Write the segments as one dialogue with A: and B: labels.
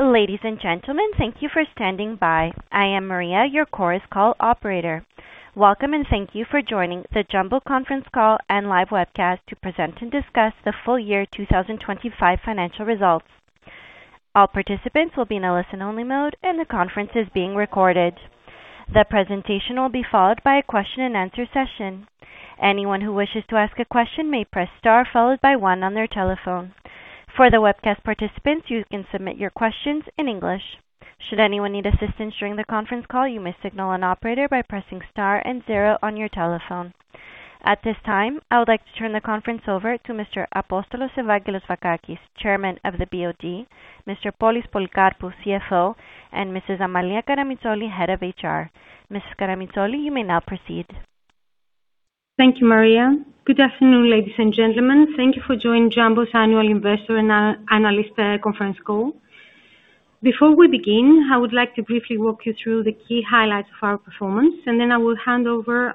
A: Ladies and gentlemen, thank you for standing by. I am Maria, your Chorus Call operator. Welcome, thank you for joining the Jumbo conference call and live webcast to present and discuss the full-year 2025 financial results. All participants will be in a listen only mode, and the conference is being recorded. The presentation will be followed by a question-and-answer session. Anyone who wishes to ask a question may press star followed by one on their telephone. For the webcast participants, you can submit your questions in English. Should anyone need assistance during the conference call, you may signal an operator by pressing star and zero on your telephone. At this time, I would like to turn the conference over to Mr. Apostolos-Evangelos Vakakis, Chairman of the BOD, Mr. Polys Polycarpou, CFO, and Mrs. Amalia Karamitsouli, Head of HR. Mrs. Karamitsouli, you may now proceed.
B: Thank you, Maria. Good afternoon, ladies and gentlemen. Thank you for joining Jumbo's Annual Investor and Analyst Conference Call. Before we begin, I would like to briefly walk you through the key highlights of our performance, and then I will hand over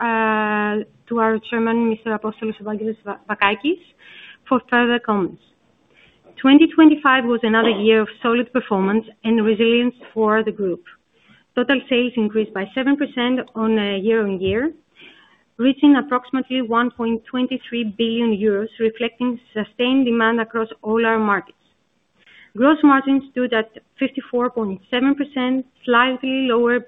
B: to our Chairman, Mr. Apostolos-Evangelos Vakakis, for further comments. 2025 was another year of solid performance and resilience for the group. Total sales increased by 7% on a year-on-year, reaching approximately 1.23 billion euros, reflecting sustained demand across all our markets. Gross margins stood at 54.7%, slightly lower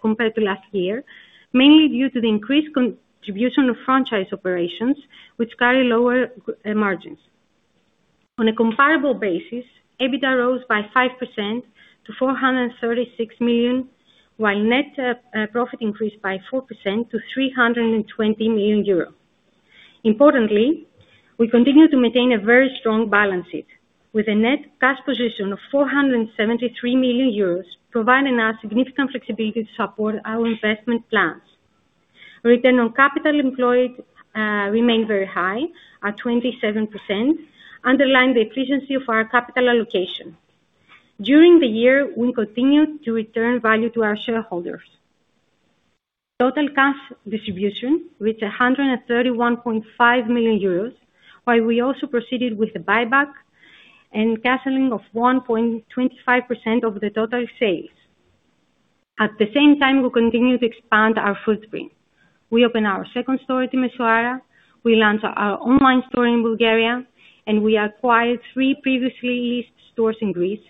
B: compared to last year, mainly due to the increased contribution of franchise operations, which carry lower margins. On a comparable basis, EBITDA rose by 5% to 436 million, while net profit increased by 4% to 320 million euro. Importantly, we continue to maintain a very strong balance sheet with a net cash position of 473 million euros, providing us significant flexibility to support our investment plans. Return on capital employed remained very high at 27%, underlying the efficiency of our capital allocation. During the year, we continued to return value to our shareholders. Total cash distribution, with 131.5 million euros, while we also proceeded with the buyback and canceling of 1.25% of the total sales. At the same time, we continue to expand our footprint. We open our second store at Timișoara. We launched our online store in Bulgaria, and we acquired three previously leased stores in Greece,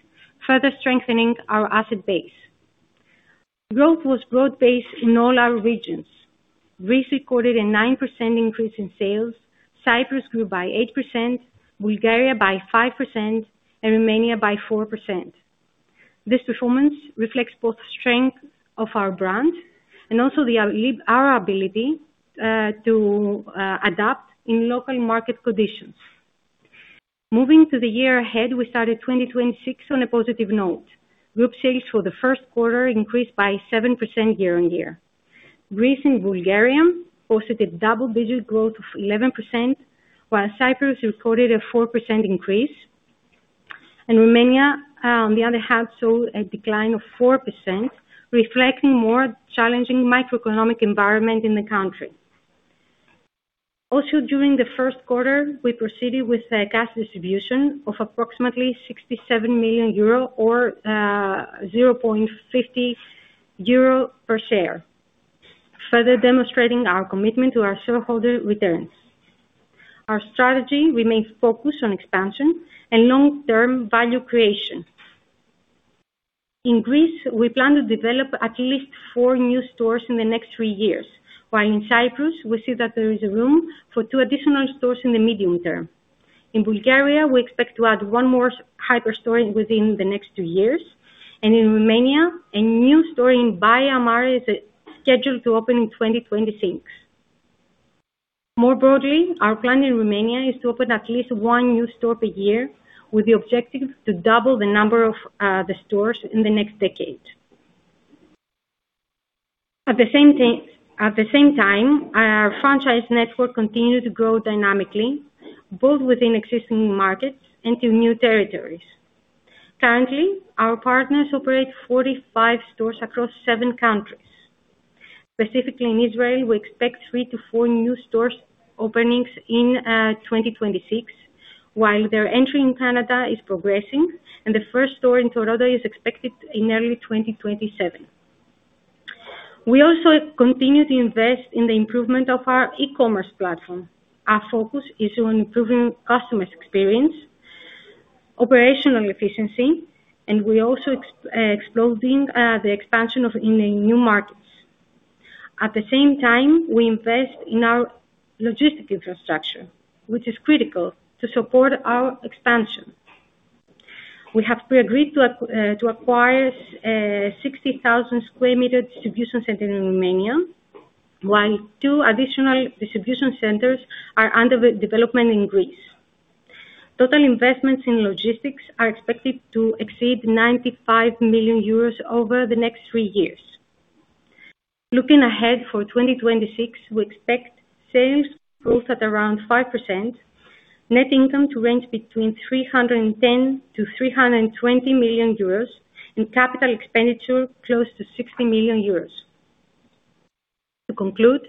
B: further strengthening our asset base. Growth was broad-based in all our regions. Greece recorded a 9% increase in sales. Cyprus grew by 8%, Bulgaria by 5%, and Romania by 4%. This performance reflects both strength of our brand and also our ability to adapt in local market conditions. Moving to the year ahead, we started 2026 on a positive note. Group sales for the first quarter increased by 7% year-on-year. Greece and Bulgaria posted a double-digit growth of 11%, while Cyprus reported a 4% increase. Romania, on the other hand, saw a decline of 4%, reflecting more challenging microeconomic environment in the country. Also, during the first quarter, we proceeded with the cash distribution of approximately 67 million euro or 0.50 euro per share, further demonstrating our commitment to our shareholder returns. Our strategy remains focused on expansion and long-term value creation. In Greece, we plan to develop at least four new stores in the next three years, while in Cyprus we see that there is room for two additional stores in the medium-term. In Bulgaria, we expect to add one more hyper store within the next two years. In Romania, a new store in Băicoi is scheduled to open in 2026. More broadly, our plan in Romania is to open at least one new store per year with the objective to double the number of the stores in the next decade. At the same time, our franchise network continued to grow dynamically, both within existing markets into new territories. Currently, our partners operate 45 stores across seven countries. Specifically in Israel, we expect three to four new stores openings in 2026, while their entry in Canada is progressing and the first store in Toronto is expected in early 2027. We also continue to invest in the improvement of our e-commerce platform. Our focus is on improving customers' experience, operational efficiency, and we also exploring the expansion of in new markets. At the same time, we invest in our logistic infrastructure, which is critical to support our expansion. We have agreed to acquire 60,000 sq m distribution center in Romania, while two additional distribution centers are under development in Greece. Total investments in logistics are expected to exceed 95 million euros over the next three years. Looking ahead for 2026, we expect sales growth at around 5%, net income to range between 310 million-320 million euros, and CapEx close to 60 million euros. To conclude,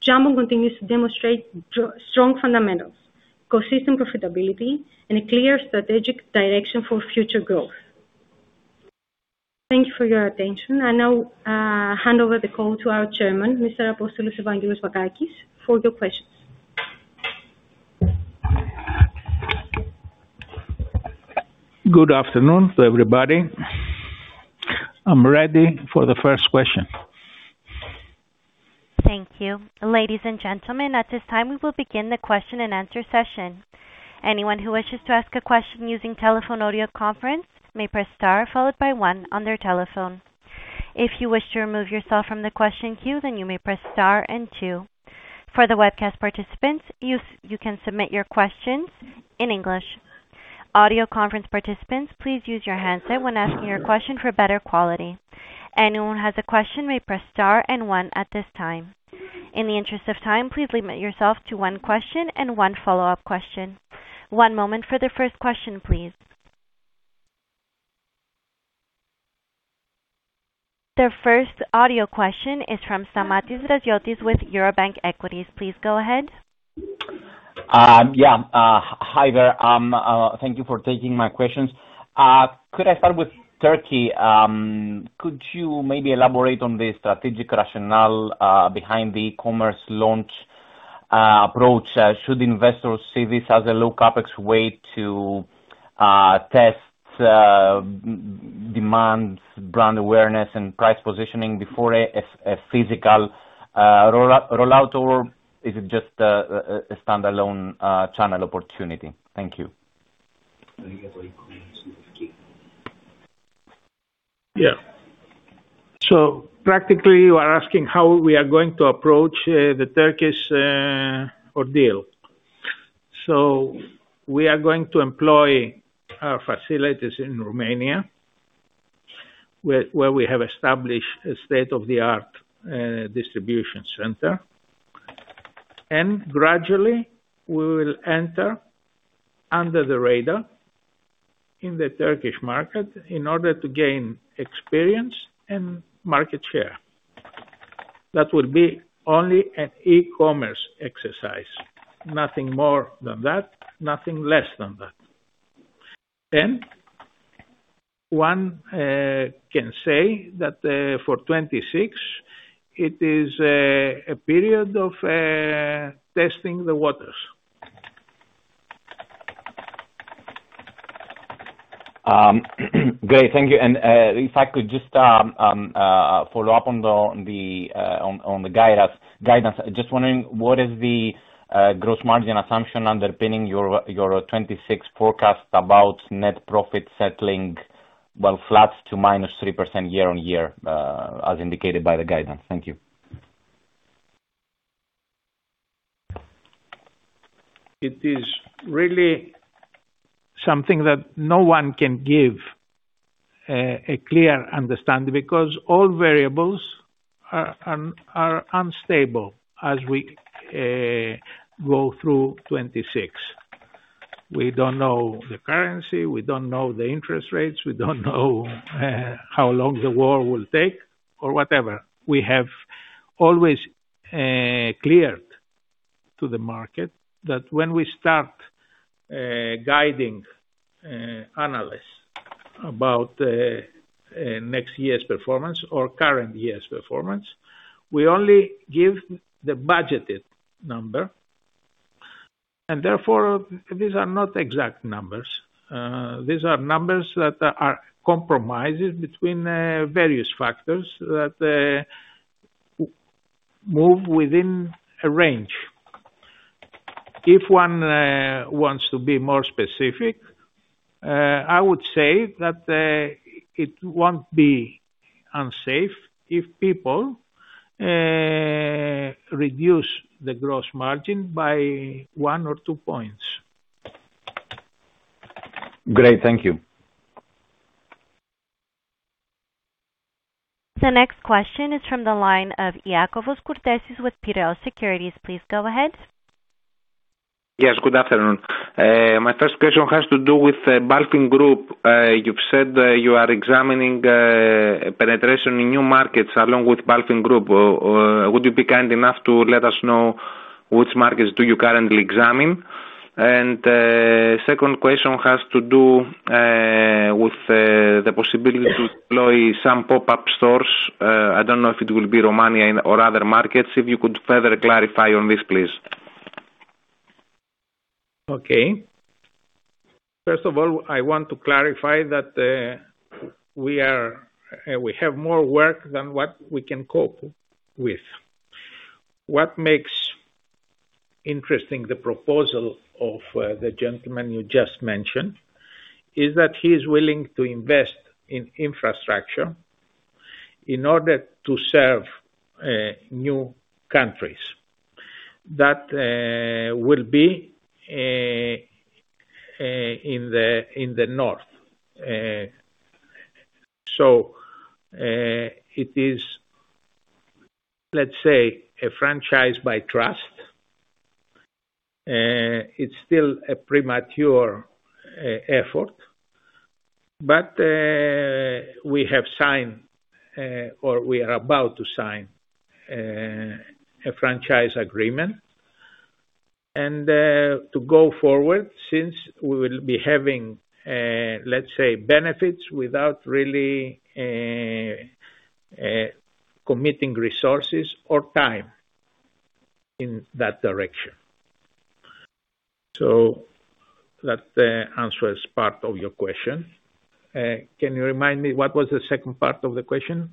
B: Jumbo continues to demonstrate strong fundamentals, consistent profitability, and a clear strategic direction for future growth. Thank you for your attention. I now hand over the call to our Chairman, Mr. Apostolos-Evangelos Vakakis for the questions.
C: Good afternoon to everybody. I'm ready for the first question.
A: Thank you. Ladies and gentlemen, at this time we will begin the question-and answer-session. Anyone who wishes to ask a question using telephone audio conference may press star followed by one on their telephone. If you wish to remove yourself from the question queue, then you may press star and two. For the webcast participants, you can submit your questions in English. Audio conference participants, please use your handset when asking your question for better quality. Anyone who has a question may press star and 1 at this time. In the interest of time, please limit yourself to one question and one follow-up question. 1 moment for the first question, please. The first audio question is from Stamatis Draziotis with Eurobank Equities. Please go ahead.
D: Yeah. Hi there. Thank you` for taking my questions. Could I start with Turkey? Could you maybe elaborate on the strategic rationale behind the e-commerce launch approach? Should investors see this as a low CapEx way to test demand brand awareness and price positioning before a physical rollout, or is it just a standalone channel opportunity? Thank you.
C: Yeah. Practically, you are asking how we are going to approach the Turkish ordeal. We are going to employ our facilities in Romania, where we have established a state-of-the-art distribution center. Gradually, we will enter under the radar in the Turkish market in order to gain experience and market share. That will be only an e-commerce exercise. Nothing more than that, nothing less than that. One can say that for 2026, it is a period of testing the waters.
D: Great. Thank you. If I could just follow up on the guidance. Just wondering what is the gross margin assumption underpinning your 2026 forecast about net profit settling flat to -3% year-on-year, as indicated by the guidance. Thank you.
C: It is really something that no one can give a clear understanding because all variables are unstable as we go through 2026. We don't know the currency, we don't know the interest rates, we don't know how long the war will take or whatever. We have always cleared to the market that when we start guiding analysts about next year's performance or current year's performance, we only give the budgeted number, and therefore these are not exact numbers. These are numbers that are compromises between various factors that move within a range. If one wants to be more specific, I would say that it won't be unsafe if people reduce the gross margin by one or two points.
D: Great. Thank you.
A: The next question is from the line of Iakovos Kourtesis with Piraeus Securities. Please go ahead.
E: Yes, good afternoon. My first question has to do with the BALFIN Group. You've said, you are examining, penetration in new markets along with BALFIN Group. Would you be kind enough to let us know which markets do you currently examine? Second question has to do with the possibility to deploy some pop-up stores. I don't know if it will be Romania and or other markets. If you could further clarify on this, please?
C: Okay. First of all, I want to clarify that we have more work than what we can cope with. What makes interesting the proposal of the gentleman you just mentioned is that he is willing to invest in infrastructure in order to serve new countries. That will be in the North. It is, let's say, a franchise by trust. It's still a premature effort, but we have signed or we are about to sign a franchise agreement. to go forward since we will be having, let's say, benefits without really committing resources or time in that direction. That answers part of your question. Can you remind me what was the second part of the question?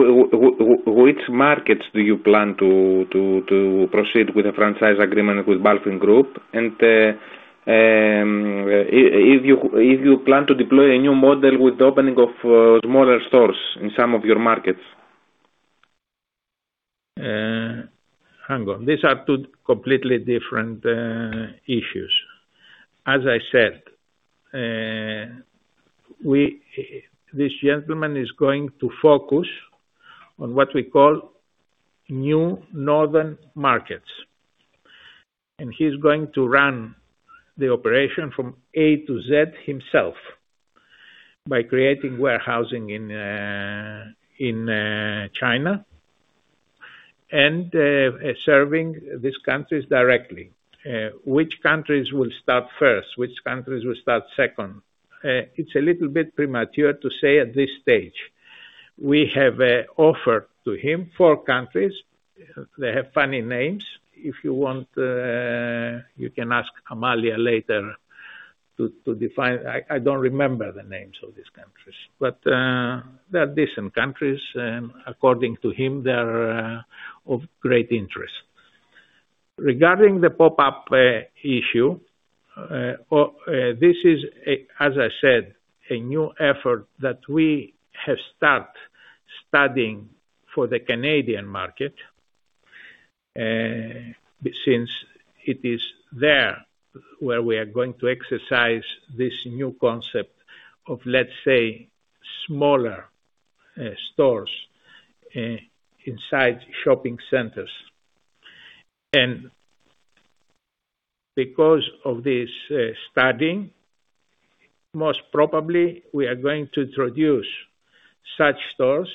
E: Which markets do you plan to proceed with a franchise agreement with BALFIN Group? If you plan to deploy a new model with the opening of smaller stores in some of your markets?
C: Hang on. These are two completely different issues. As I said, this gentleman is going to focus on what we call new northern markets. He's going to run the operation from A to Z himself by creating warehousing in China and serving these countries directly. Which countries will start first, which countries will start second, it's a little bit premature to say at this stage. We have offered to him four countries. They have funny names. If you want, you can ask Amalia later to define. I don't remember the names of these countries. They're decent countries and according to him, they're of great interest. Regarding the pop-up issue, this is a, as I said, a new effort that we have start studying for the Canadian market, since it is there where we are going to exercise this new concept of, let's say, smaller stores inside shopping centers. Because of this studying, most probably we are going to introduce such stores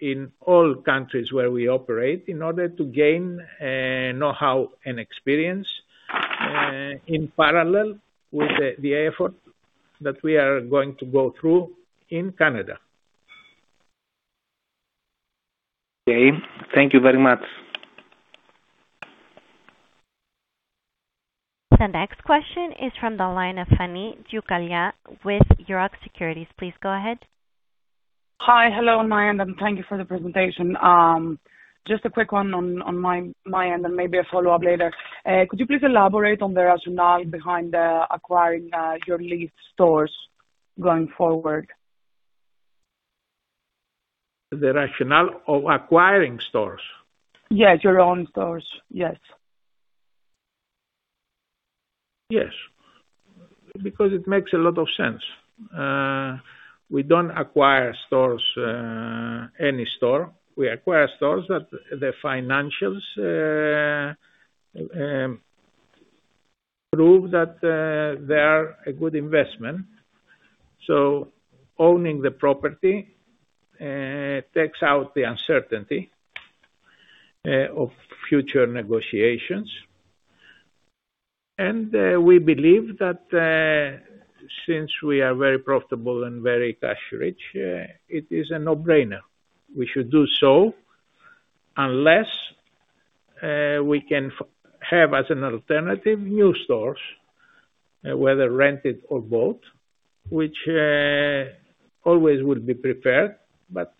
C: in all countries where we operate in order to gain know-how and experience in parallel with the effort that we are going to go through in Canada.
E: Okay. Thank you very much.
A: The next question is from the line of Tani Tzioukalia with Euroxx Securities. Please go ahead.
F: Hi. Hello on my end, and thank you for the presentation. Just a quick one on my end, and maybe a follow-up later. Could you please elaborate on the rationale behind acquiring your leased stores going forward?
C: The rationale of acquiring stores?
F: Yes. Your own stores. Yes.
C: Yes. Because it makes a lot of sense. We don't acquire stores, any store. We acquire stores that the financials prove that they are a good investment. Owning the property takes out the uncertainty of future negotiations. We believe that since we are very profitable and very cash-rich, it is a no-brainer. We should do so unless we can have as an alternative new stores, whether rented or bought, which always will be preferred, but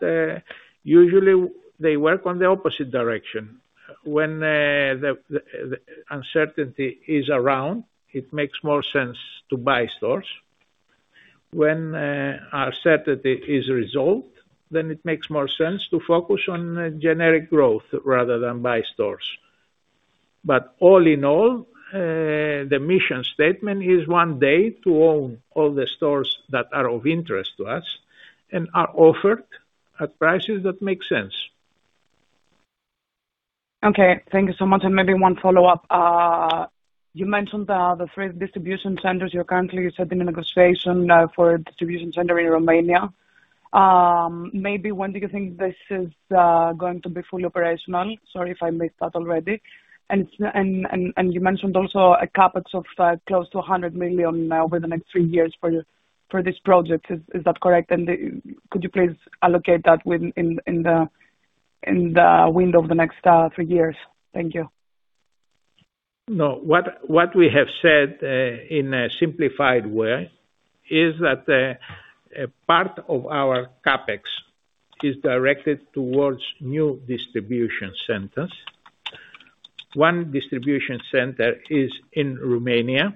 C: usually they work on the opposite direction. When the uncertainty is around, it makes more sense to buy stores. When uncertainty is resolved, then it makes more sense to focus on generic growth rather than buy stores. All in all, the mission statement is one day to own all the stores that are of interest to us and are offered at prices that make sense.
F: Okay. Thank you so much. Maybe one follow-up. You mentioned the three distribution centers. You're currently set in a negotiation for a distribution center in Romania. Maybe when do you think this is going to be fully operational? Sorry if I missed that already. You mentioned also a CapEx of close to 100 million over the next three years for this project. Is that correct? Could you please allocate that within the window of the next three years? Thank you.
C: No. What we have said, in a simplified way is that a part of our CapEx is directed towards new distribution centers. One distribution center is in Romania.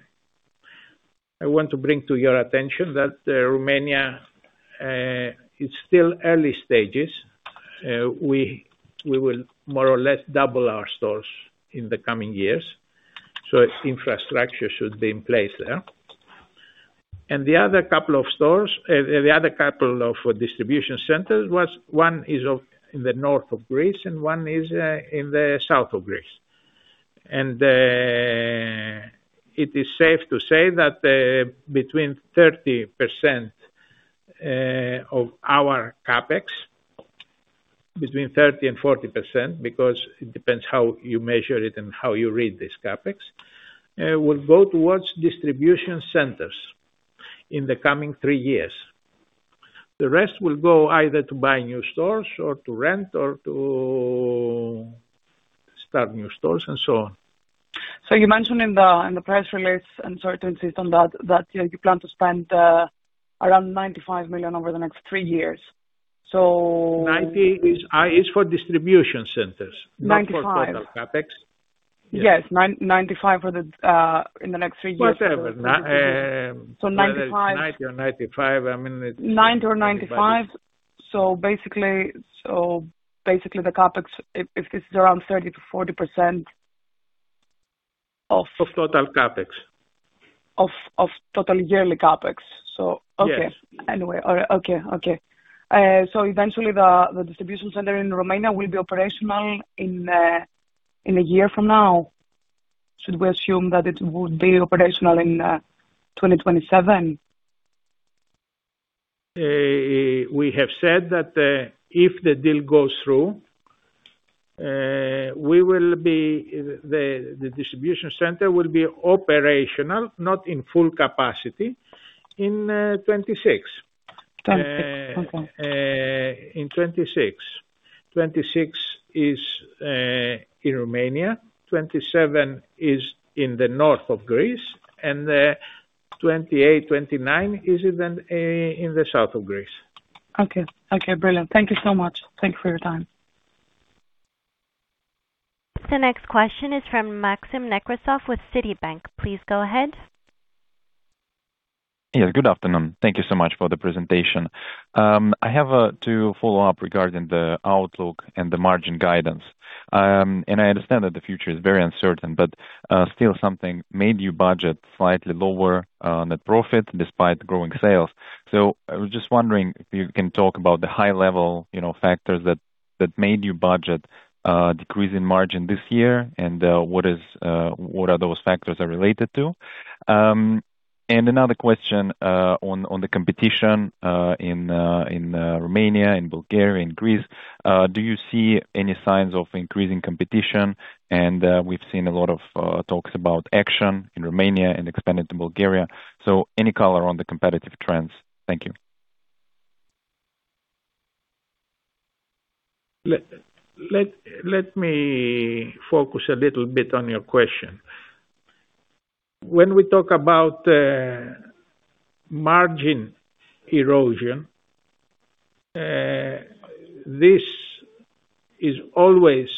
C: I want to bring to your attention that Romania is still early stages. We will more or less double our stores in the coming years, so infrastructure should be in place there. The other couple of stores, the other couple of distribution centers was one is of, in the north of Greece and one is in the south of Greece. It is safe to say that between 30% of our CapEx, between 30% and 40% because it depends how you measure it and how you read this CapEx, will go towards distribution centers in the coming three years. The rest will go either to buying new stores or to rent or to start new stores, and so on.
F: You mentioned in the press release, I'm sorry to insist on that you plan to spend 95 million over the next three years.
C: 90 million is for distribution centers.
F: 95 million.
C: Not for total CapEx. Yeah.
F: Yes. 95 million for the, in the next three years.
C: Whatever.
F: 95 million.
C: Whether it's 90 million or 95 million, I mean, it's.
F: 90 million or 95 million. Basically the CapEx, if this is around 30%-40% of-
C: Of total CapEx.
F: Of total yearly CapEx. Okay.
C: Yes.
F: Anyway. Okay, okay. Eventually the distribution center in Romania will be operational in a year from now? Should we assume that it would be operational in 2027?
C: We have said that, if the deal goes through, the distribution center will be operational, not in full capacity, in 2026.
F: 2026. Okay.
C: In 2026. 2026 is in Romania, 2027 is in the north of Greece, and 2028, 2029 is even in the south of Greece.
F: Okay. Okay, brilliant. Thank you so much. Thank you for your time.
A: The next question is from Maxim Nekrasov with Citibank. Please go ahead.
G: Yes, good afternoon. Thank you so much for the presentation. I have two follow-up regarding the outlook and the margin guidance. I understand that the future is very uncertain, but still something made you budget slightly lower net profit despite growing sales. I was just wondering if you can talk about the high level, you know, factors that made you budget decrease in margin this year and what are those factors related to. Another question on the competition in Romania and Bulgaria and Greece. Do you see any signs of increasing competition? We've seen a lot of talks about Action in Romania and expanded to Bulgaria. Any color on the competitive trends? Thank you.
C: Let me focus a little bit on your question. When we talk about margin erosion, this is always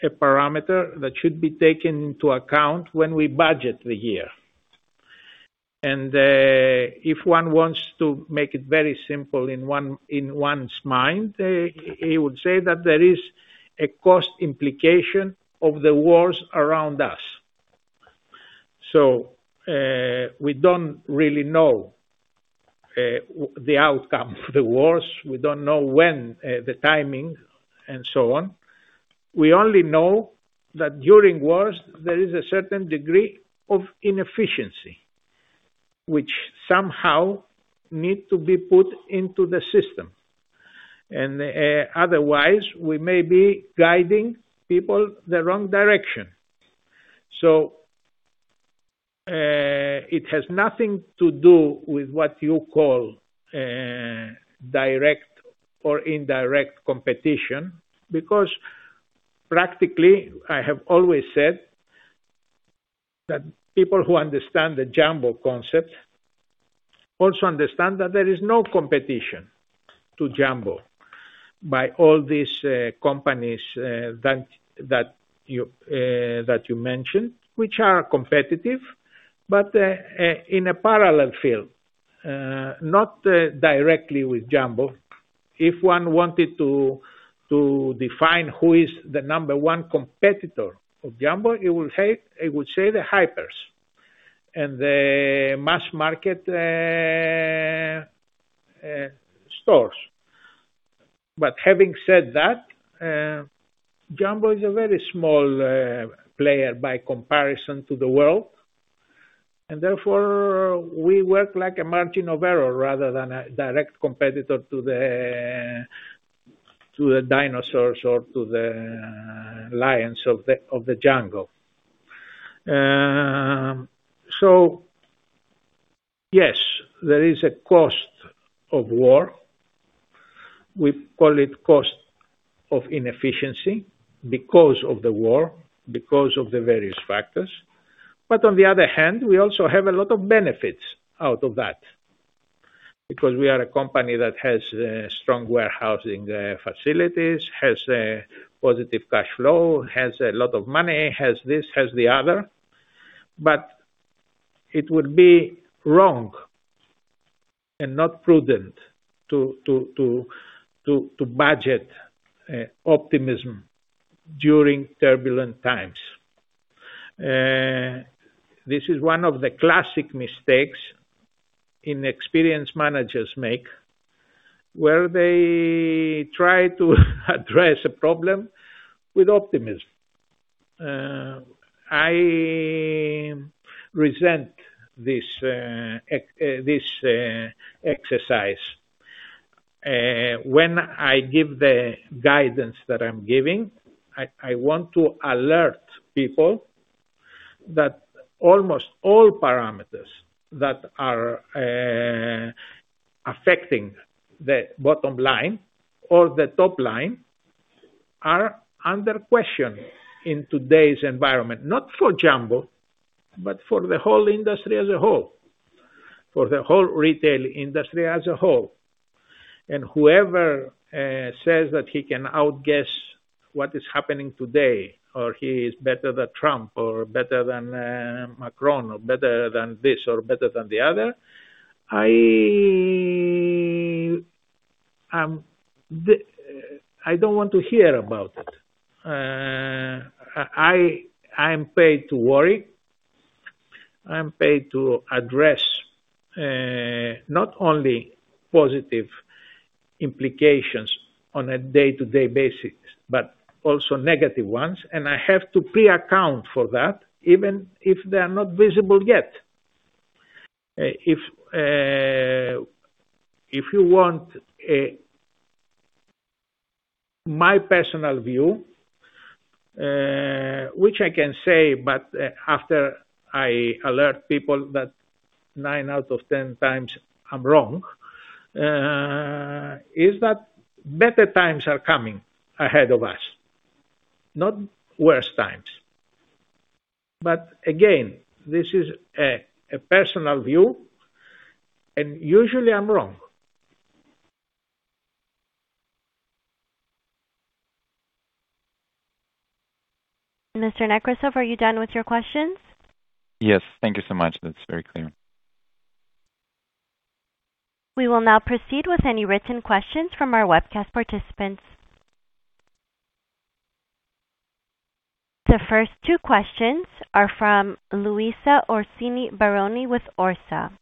C: a parameter that should be taken into account when we budget the year. If one wants to make it very simple in one, in one's mind, he would say that there is a cost implication of the wars around us. We don't really know the outcome of the wars. We don't know when the timing and so on. We only know that during wars there is a certain degree of inefficiency, which somehow need to be put into the system, otherwise we may be guiding people the wrong direction. It has nothing to do with what you call direct or indirect competition, because practically I have always said that people who understand the Jumbo concept also understand that there is no competition to Jumbo by all these companies that you mentioned, which are competitive but in a parallel field, not directly with Jumbo. If one wanted to define who is the number one competitor of Jumbo, you will say, it would say the hypers and the mass market stores. Having said that, Jumbo is a very small player by comparison to the world, and therefore we work like a margin of error rather than a direct competitor to the dinosaurs or to the lions of the jungle. Yes, there is a cost of war. We call it cost of inefficiency because of the war, because of the various factors. On the other hand, we also have a lot of benefits out of that, because we are a company that has strong warehousing facilities, has a positive cash flow, has a lot of money, has this, has the other. It would be wrong and not prudent to budget optimism during turbulent times. This is one of the classic mistakes inexperienced managers make, where they try to address a problem with optimism. I resent this exercise. When I give the guidance that I'm giving, I want to alert people that almost all parameters that are affecting the bottom line or the top line are under question in today's environment. Not for Jumbo, but for the whole industry as a whole. For the whole retail industry as a whole. Whoever says that he can outguess what is happening today or he is better than Trump or better than Macron or better than this or better than the other, I don't want to hear about it. I am paid to worry. I am paid to address not only positive implications on a day-to-day basis, but also negative ones. I have to pre-account for that, even if they are not visible yet. If, if you want my personal view, which I can say, but after I alert people that nine out of ten times I'm wrong, is that better times are coming ahead of us, not worse times. Again, this is a personal view, and usually I'm wrong.
A: Mr. Nekrasov, are you done with your questions?
G: Yes. Thank you so much. That is very clear.
A: We will now proceed with any written questions from our webcast participants. The first two questions are from Luisa Orsini Baroni with Octopus.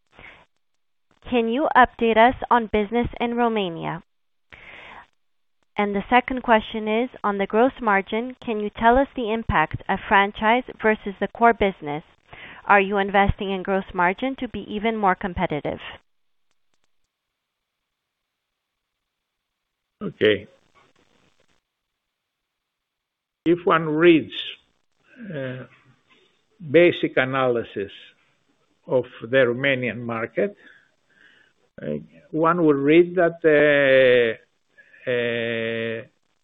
A: Can you update us on business in Romania? The second question is, on the gross margin, can you tell the impact of franchise versus the core business? Are you investing in gross margin to be even more competitive?
C: Okay. If one reads basic analysis of the Romanian market, one will read that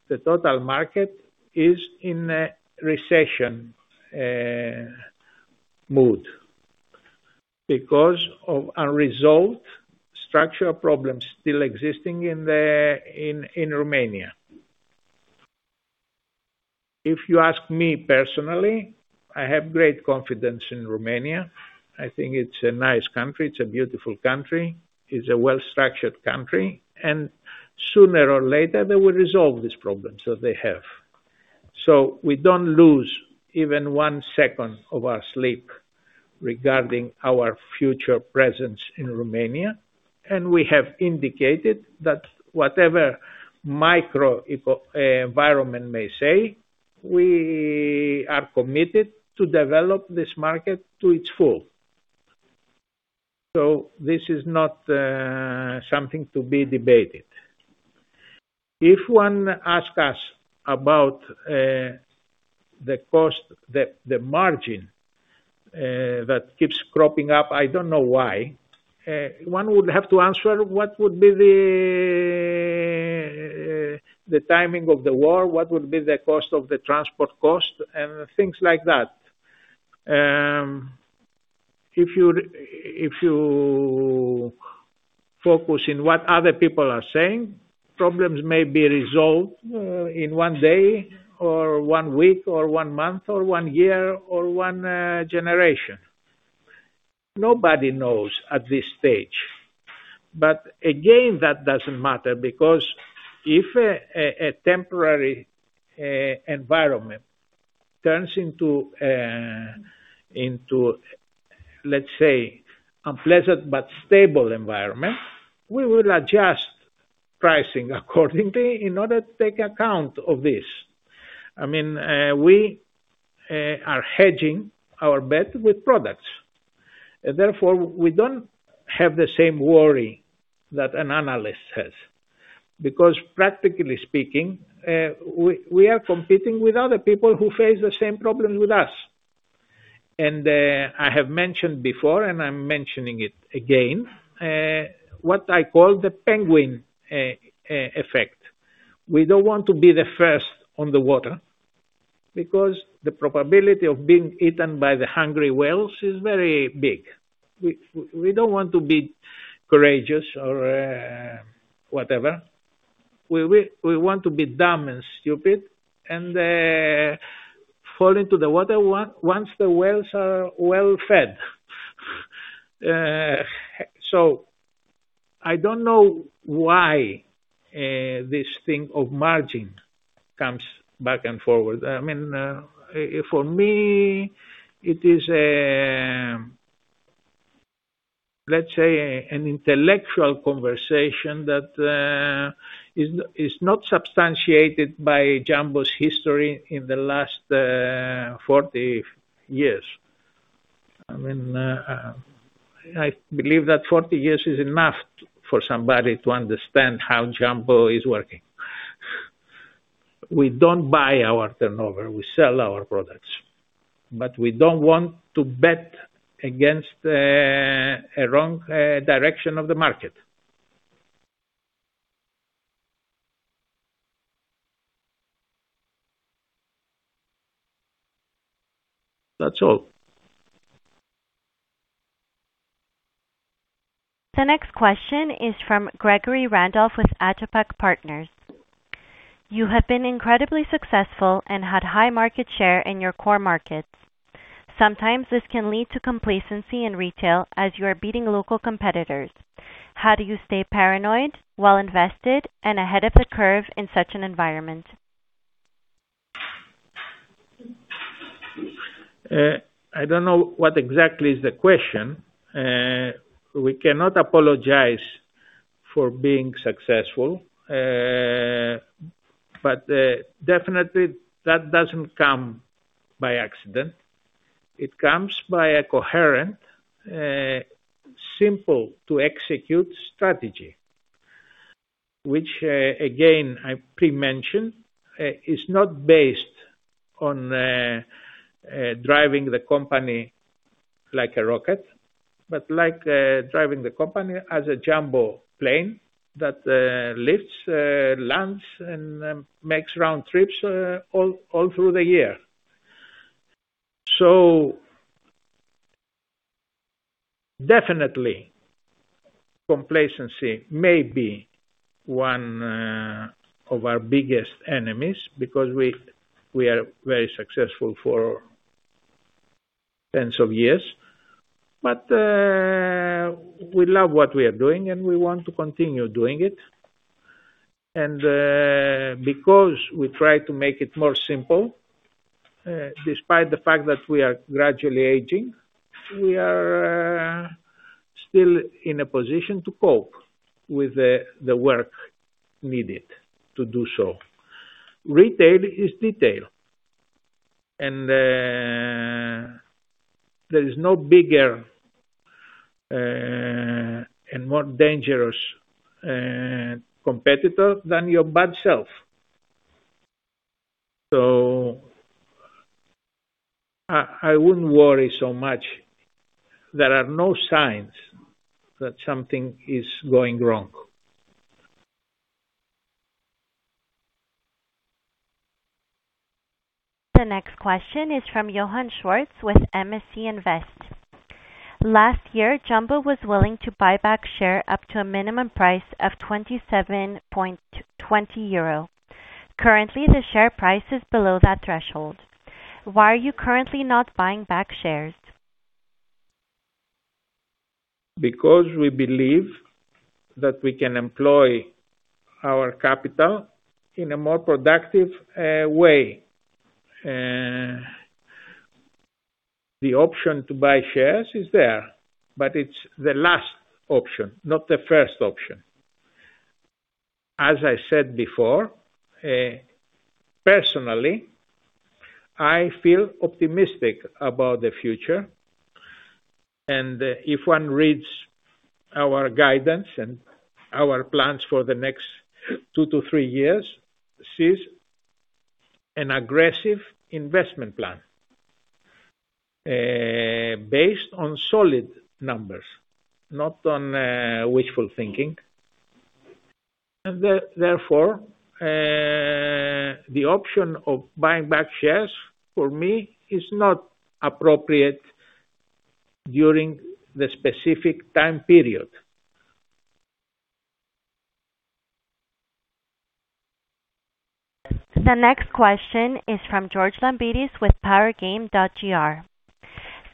C: the total market is in a recession mood because of unresolved structural problems still existing in Romania. If you ask me personally, I have great confidence in Romania. I think it's a nice country. It's a beautiful country. It's a well-structured country. Sooner or later they will resolve these problems that they have. We don't lose even one second of our sleep regarding our future presence in Romania. We have indicated that whatever micro eco environment may say, we are committed to develop this market to its full. This is not something to be debated. If one ask us about the cost, the margin that keeps cropping up, I don't know why. One would have to answer what would be the timing of the war? What would be the cost of the transport cost? Things like that. If you, if you focus in what other people are saying, problems may be resolved in one day or one week or one month or one year or one generation. Nobody knows at this stage. Again, that doesn't matter because if a temporary environment turns into a, into, let's say, unpleasant but stable environment, we will adjust pricing accordingly in order to take account of this. I mean, we are hedging our bet with products. Therefore, we don't have the same worry that an analyst has because practically speaking, we are competing with other people who face the same problem with us. I have mentioned before, I'm mentioning it again, what I call the penguin effect. We don't want to be the first on the water because the probability of being eaten by the hungry whales is very big. We don't want to be courageous or whatever. We want to be dumb and stupid and fall into the water once the whales are well fed. I don't know why this thing of margin comes back and forward. I mean, for me it is, let's say an intellectual conversation that is not substantiated by Jumbo's history in the last 40 years. I mean, I believe that 40 years is enough for somebody to understand how Jumbo is working. We don't buy our turnover, we sell our products. We don't want to bet against a wrong direction of the market. That's all.
A: The next question is from Gregory Randolph with Atopac Partners. You have been incredibly successful and had high market share in your core markets. Sometimes this can lead to complacency in retail as you are beating local competitors. How do you stay paranoid while invested and ahead of the curve in such an environment?
C: I don't know what exactly is the question. We cannot apologize for being successful. Definitely that doesn't come by accident. It comes by a coherent, simple to execute strategy, which again, I pre-mentioned, is not based on driving the company like a rocket, but like driving the company as a Jumbo plane that lifts, lands and makes round trips all through the year. Definitely complacency may be one of our biggest enemies because we are very successful for tens of years. We love what we are doing, and we want to continue doing it. Because we try to make it more simple, despite the fact that we are gradually aging, we are still in a position to cope with the work needed to do so. Retail is detail, there is no bigger, and more dangerous, competitor than your bad self. I wouldn't worry so much. There are no signs that something is going wrong.
A: The next question is from Johann Schwartz with MSC Invest. Last year, Jumbo was willing to buy back share up to a minimum price of 27.20 euro. Currently, the share price is below that threshold. Why are you currently not buying back shares?
C: We believe that we can employ our capital in a more productive way. The option to buy shares is there, but it's the last option, not the first option. As I said before, personally, I feel optimistic about the future. If one reads our guidance and our plans for the next two to three years, sees an aggressive investment plan, based on solid numbers, not on wishful thinking. Therefore, the option of buying back shares for me is not appropriate during the specific time period.
A: The next question is from George Lampiris with Powergame.gr.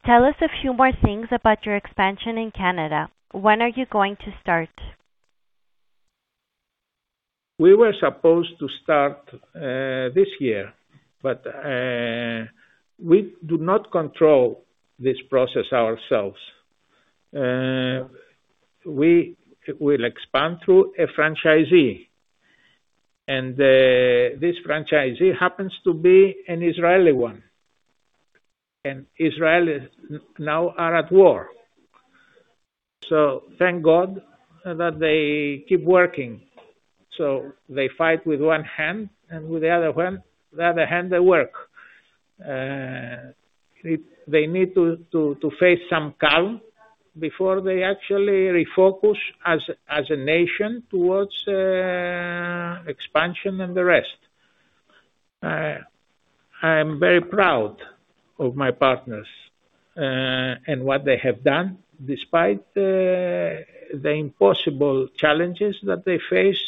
A: Tell us a few more things about your expansion in Canada. When are you going to start?
C: We were supposed to start this year, but we do not control this process ourselves. We will expand through a franchisee, and this franchisee happens to be an Israeli one, and Israelis now are at war. Thank God that they keep working. They fight with one hand and with the other hand they work. They need to face some calm before they actually refocus as a nation towards expansion and the rest. I am very proud of my partners and what they have done despite the impossible challenges that they face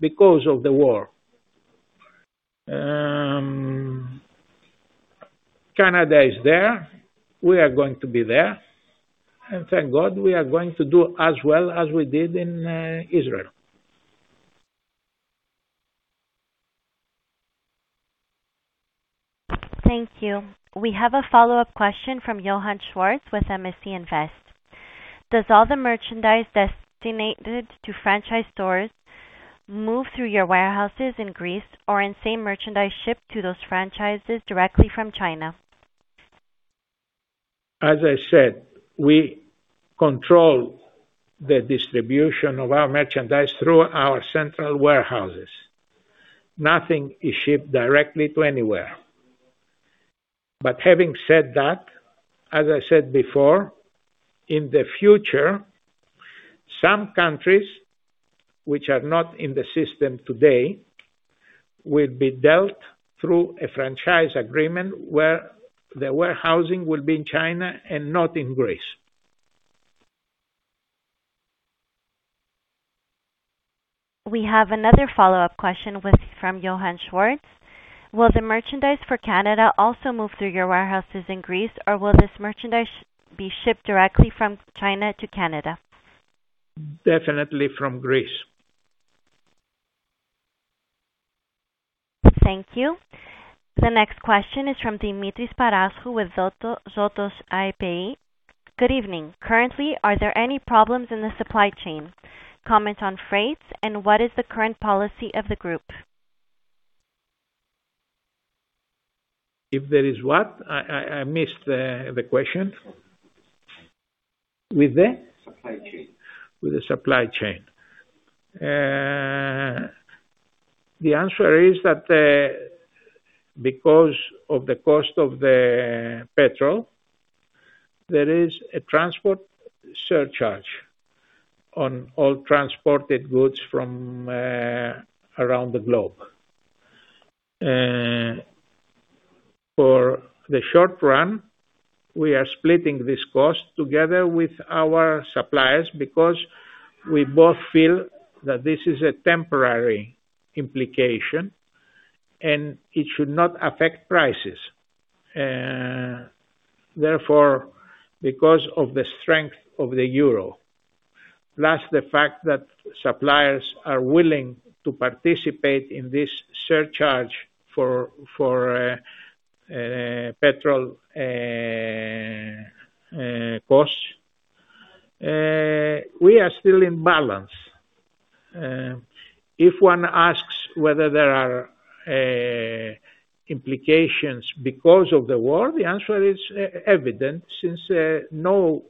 C: because of the war. Canada is there, we are going to be there. Thank God we are going to do as well as we did in Israel.
A: Thank you. We have a follow-up question from Johann Schwartz with MSC Invest. Does all the merchandise designated to franchise stores move through your warehouses in Greece or in same merchandise shipped to those franchises directly from China?
C: As I said, we control the distribution of our merchandise through our central warehouses. Nothing is shipped directly to anywhere. Having said that, as I said before, in the future, some countries which are not in the system today will be dealt through a franchise agreement where the warehousing will be in China and not in Greece.
A: We have another follow-up question from Johann Schwartz. Will the merchandise for Canada also move through your warehouses in Greece, or will this merchandise be shipped directly from China to Canada?
C: Definitely from Greece.
A: Thank you. The next question is from Dimitri Sparasu with Zotos AEBE. Good evening. Currently, are there any problems in the supply chain? Comment on freights and what is the current policy of the group?
C: If there is what? I missed the question. With the?
H: Supply chain.
C: With the supply chain. The answer is that because of the cost of the petrol, there is a transport surcharge on all transported goods from around the globe. For the short run, we are splitting this cost together with our suppliers because we both feel that this is a temporary implication and it should not affect prices. Therefore, because of the strength of the euro, plus the fact that suppliers are willing to participate in this surcharge for petrol costs, we are still in balance. If one asks whether there are implications because of the war, the answer is evident since no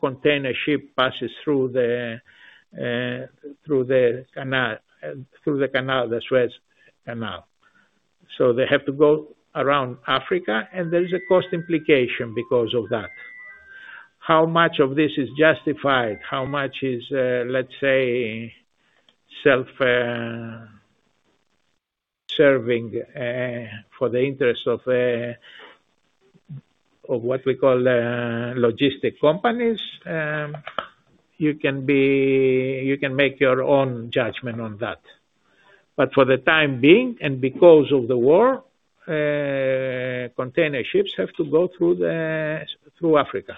C: container ship passes through the canal, the Suez Canal. They have to go around Africa, and there is a cost implication because of that. How much of this is justified? How much is, let's say self-serving, for the interest of what we call logistics companies? You can make your own judgment on that. For the time being and because of the war, container ships have to go through the, through Africa.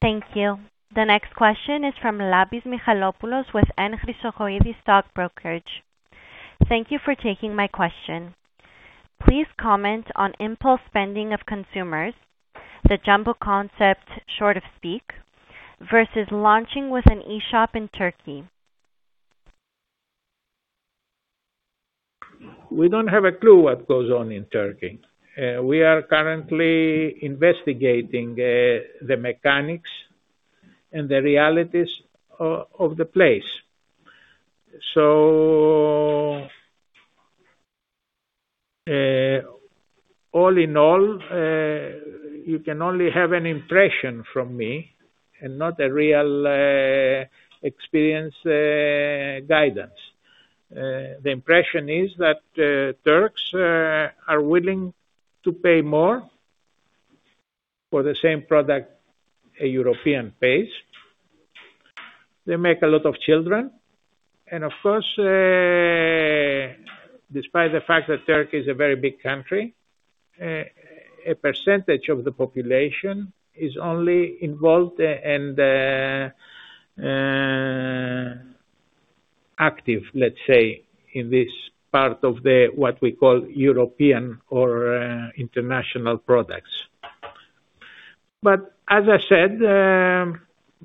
A: Thank you. The next question is from Labis Michalopoulos with N. Chrysochoidis Stock Brokerage. Thank you for taking my question. Please comment on impulse spending of consumers, the Jumbo concept, short of speak, versus launching with an e-shop in Turkey.
C: We don't have a clue what goes on in Turkey. We are currently investigating the mechanics and the realities of the place. All in all, you can only have an impression from me and not a real experience guidance. The impression is that Turks are willing to pay more for the same product a European pays. They make a lot of children. Of course, despite the fact that Turkey is a very big country, a percentage of the population is only involved and active, let's say, in this part of the, what we call European or international products. As I said,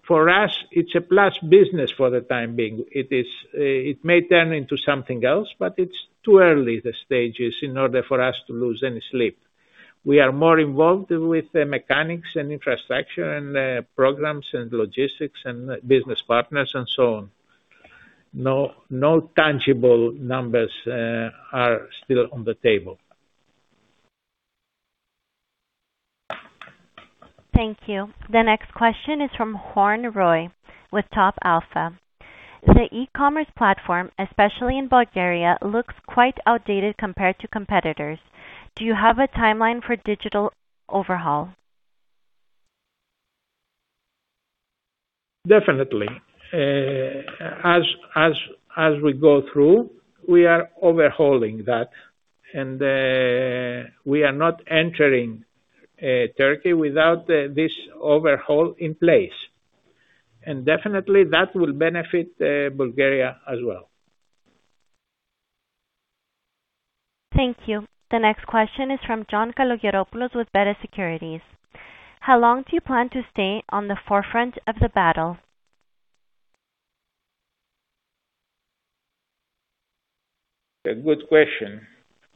C: for us, it's a plus business for the time being. It may turn into something else. It's too early, the stages, in order for us to lose any sleep. We are more involved with the mechanics and infrastructure and programs and logistics and business partners and so on. No, no tangible numbers are still on the table.
A: Thank you. The next question is from [Huan Roy] with Top Alpha. The e-commerce platform, especially in Bulgaria, looks quite outdated compared to competitors. Do you have a timeline for digital overhaul?
C: Definitely. As we go through, we are overhauling that, and we are not entering Turkey without this overhaul in place. Definitely that will benefit Bulgaria as well.
A: Thank you. The next question is from John Kalogeropoulos with Beta Securities. How long do you plan to stay on the forefront of the battle?
C: A good question.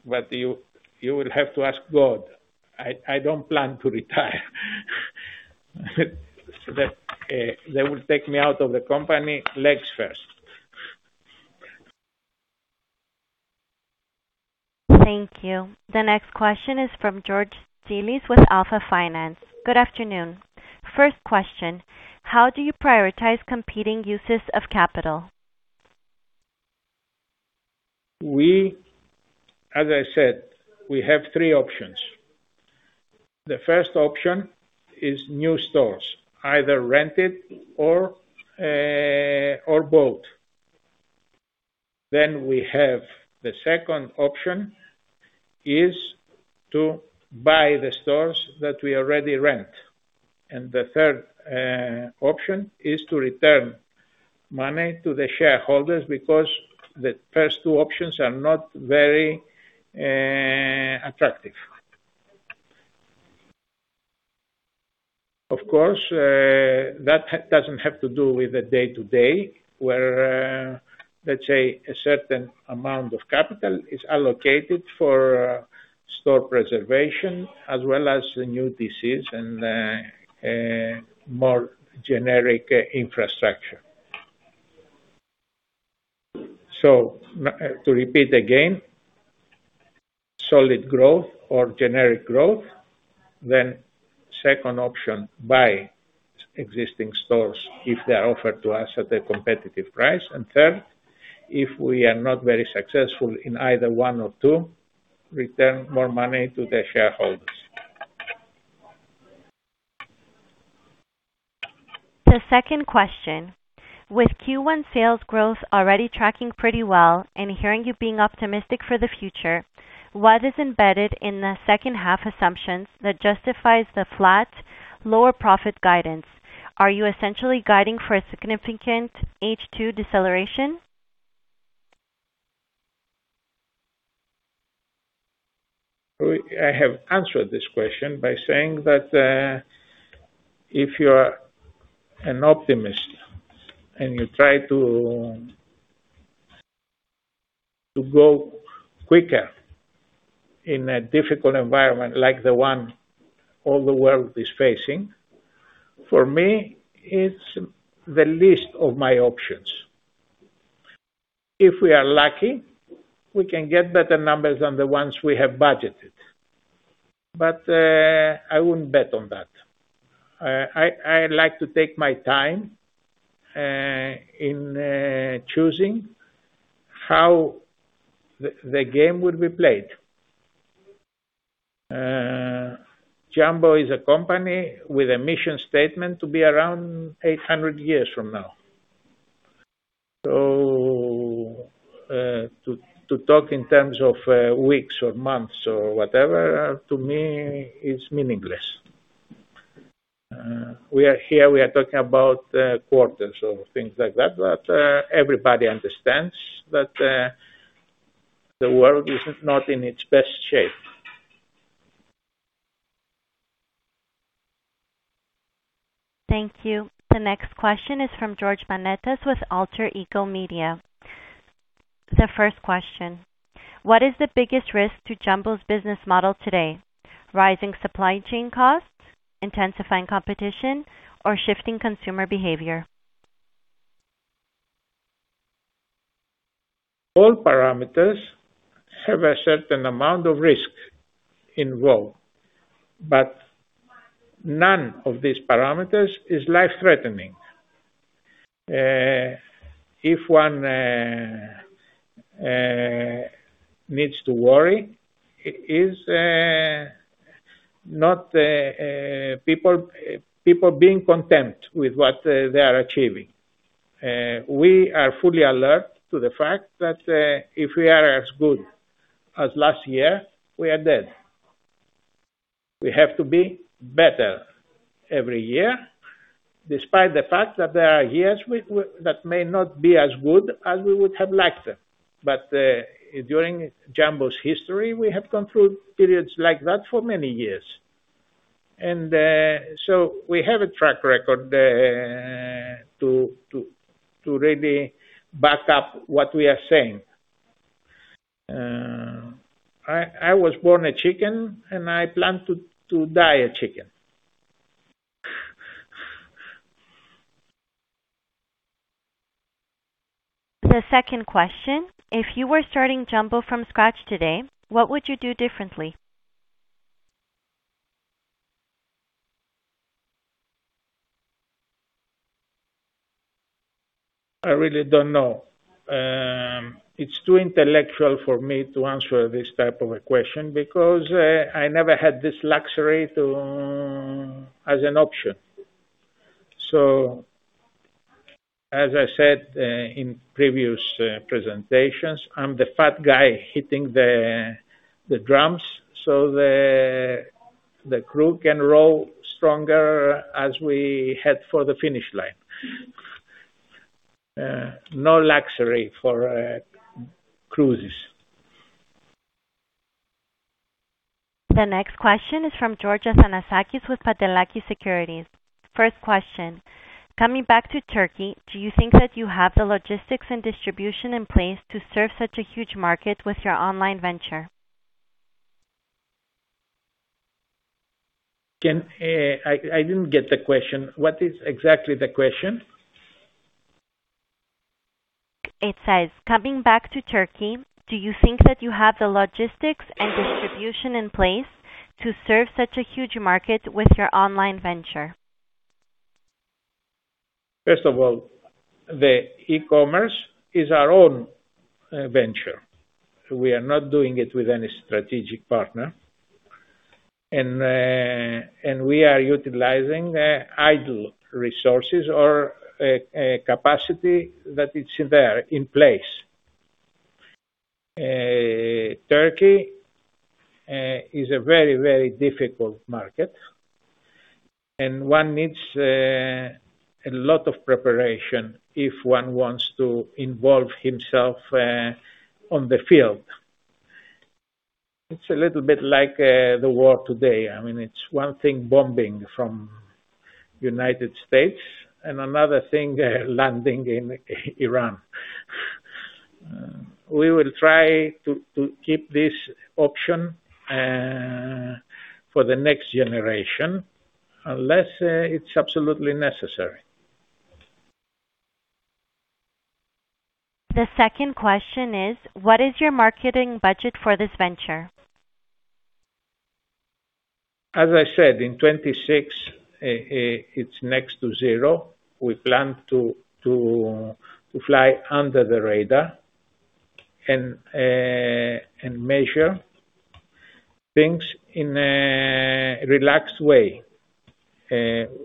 C: You will have to ask God. I don't plan to retire. They will take me out of the company legs first.
A: Thank you. The next question is from George Zois with Alpha Finance. Good afternoon. First question, how do you prioritize competing uses of capital?
C: As I said, we have three options. The first option is new stores, either rented or both. We have the second option is to buy the stores that we already rent. The third option is to return money to the shareholders because the first two options are not very attractive. Of course, that doesn't have to do with the day-to-day, where, let's say a certain amount of capital is allocated for store preservation as well as the new DCs and more generic infrastructure. To repeat again, solid growth or generic growth. Second option, buy existing stores if they are offered to us at a competitive price. Third, if we are not very successful in either one or two, return more money to the shareholders.
A: The second question. With Q1 sales growth already tracking pretty well and hearing you being optimistic for the future, what is embedded in the second half assumptions that justifies the flat lower profit guidance? Are you essentially guiding for a significant H2 deceleration?
C: I have answered this question by saying that if you are an optimist and you try to grow quicker in a difficult environment like the one all the world is facing, for me, it's the least of my options. I wouldn't bet on that. I'd like to take my time in choosing how the game will be played. Jumbo is a company with a mission statement to be around 800 years from now. To talk in terms of weeks or months or whatever, to me is meaningless. We are here, we are talking about quarters or things like that, everybody understands that the world is not in its best shape.
A: Thank you. The next question is from George Manetas with Alter Ego Media. The first question. What is the biggest risk to Jumbo's business model today? Rising supply chain costs, intensifying competition, or shifting consumer behavior?
C: All parameters have a certain amount of risk involved, but none of these parameters is life-threatening. If one needs to worry, it is not people being content with what they are achieving. We are fully alert to the fact that if we are as good as last year, we are dead. We have to be better every year, despite the fact that there are years that may not be as good as we would have liked them. During Jumbo's history, we have gone through periods like that for many years. We have a track record to really back up what we are saying. I was born a chicken, and I plan to die a chicken.
A: The second question. If you were starting Jumbo from scratch today, what would you do differently?
C: I really don't know. It's too intellectual for me to answer this type of a question because I never had this luxury as an option. As I said, in previous presentations, I'm the fat guy hitting the drums so the crew can row stronger as we head for the finish line. No luxury for cruises.
A: The next question is from Georgia Athanasakis with Pantelakis Securities. First question, coming back to Turkey, do you think that you have the logistics and distribution in place to serve such a huge market with your online venture?
C: I didn't get the question. What is exactly the question?
A: It says, coming back to Turkey, do you think that you have the logistics and distribution in place to serve such a huge market with your online venture?
C: First of all, the e-commerce is our own venture. We are not doing it with any strategic partner. We are utilizing idle resources or a capacity that is there in place. Turkey is a very, very difficult market, and one needs a lot of preparation if one wants to involve himself on the field. It's a little bit like the war today. I mean, it's one thing bombing from United States and another thing landing in Iran. We will try to keep this option for the next generation, unless it's absolutely necessary.
A: The second question is, what is your marketing budget for this venture?
C: As I said, in 2026, it's next to zero. We plan to fly under the radar and measure things in a relaxed way.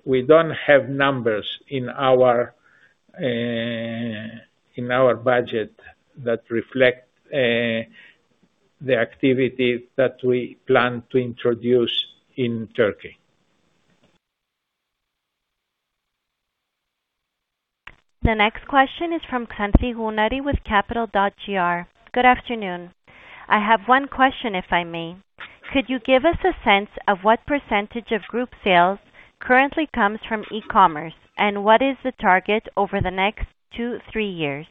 C: We don't have numbers in our in our budget that reflect the activities that we plan to introduce in Turkey.
A: The next question is from Katerina Iliadi with Capital.gr. Good afternoon. I have 1 question, if I may. Could you give us a sense of what percentage of group sales currently comes from e-commerce, and what is the target over the next 2, 3 years?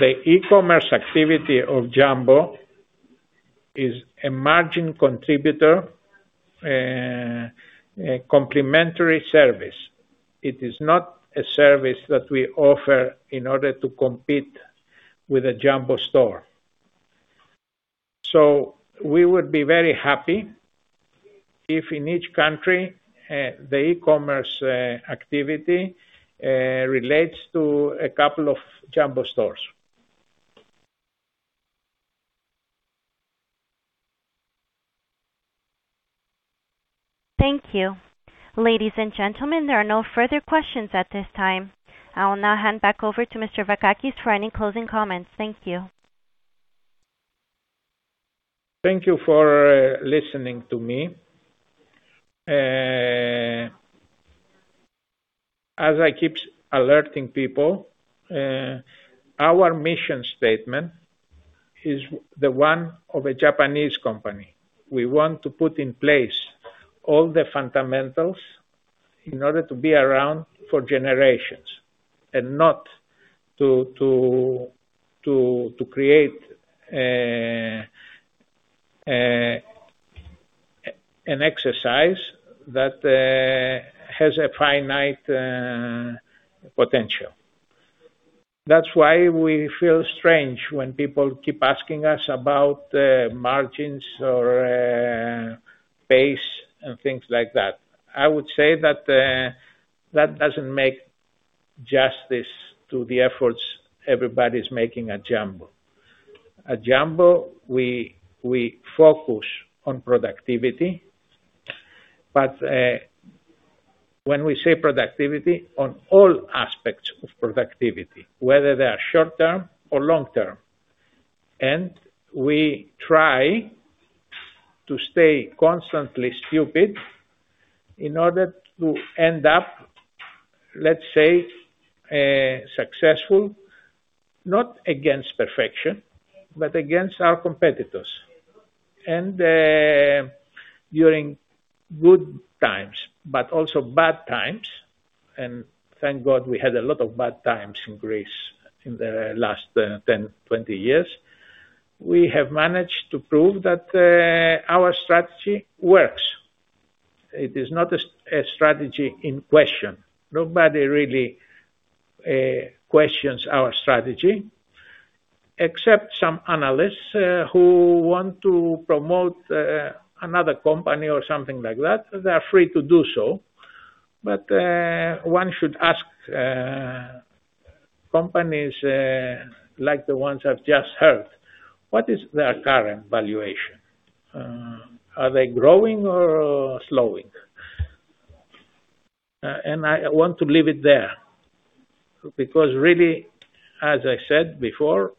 C: The e-commerce activity of Jumbo is a margin contributor, a complimentary service. It is not a service that we offer in order to compete with a Jumbo store. We would be very happy if in each country, the e-commerce activity relates to a couple of Jumbo stores.
A: Thank you. Ladies and gentlemen, there are no further questions at this time. I will now hand back over to Mr. Vakakis for any closing comments. Thank you.
C: Thank you for listening to me. As I keep alerting people, our mission statement is the one of a Japanese company. We want to put in place all the fundamentals in order to be around for generations and not to create an exercise that has a finite potential. That's why we feel strange when people keep asking us about margins or pace and things like that. I would say that that doesn't make justice to the efforts everybody's making at Jumbo. At Jumbo, we focus on productivity, but when we say productivity on all aspects of productivity, whether they are short-term or long-term. We try to stay constantly stupid in order to end up, let's say, successful, not against perfection, but against our competitors. During good times, but also bad times, and thank God we had a lot of bad times in Greece in the last 10, 20 years, we have managed to prove that our strategy works. It is not a strategy in question. Nobody really questions our strategy, except some analysts who want to promote another company or something like that. They are free to do so. One should ask companies like the ones I've just heard, what is their current valuation? Are they growing or slowing? I want to leave it there because really, as I said before,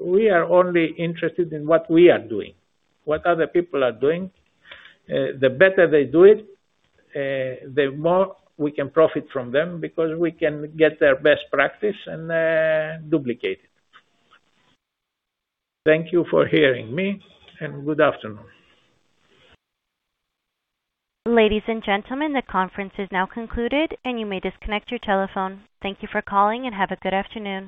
C: we are only interested in what we are doing. What other people are doing, the better they do it, the more we can profit from them because we can get their best practice and duplicate it. Thank you for hearing me, and good afternoon.
A: Ladies and gentlemen, the conference is now concluded, and you may disconnect your telephone. Thank you for calling, and have a good afternoon.